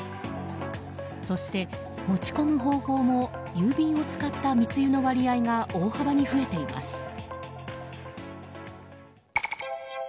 そして、持ち込む方法も郵便を使った密輸の割合が大幅に増えています。